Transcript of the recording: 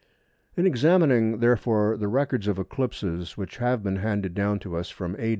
In examining therefore the records of eclipses which have been handed down to us from A.